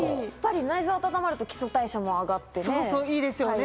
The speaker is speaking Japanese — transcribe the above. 内臓が温まると基礎代謝も上がってね。